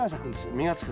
実がつく。